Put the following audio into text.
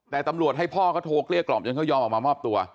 แต่ตำรวจให้พ่อเขาโทรเกลี้ยกล่อมจนเขายอมออกมามอบตัว